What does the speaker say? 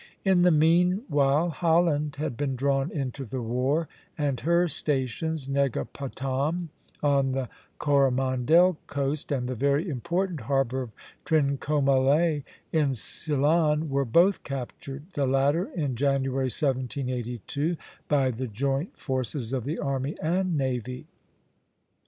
In the mean while Holland had been drawn into the war, and her stations, Negapatam on the Coromandel coast, and the very important harbor of Trincomalee in Ceylon, were both captured, the latter in January, 1782, by the joint forces of the army and navy.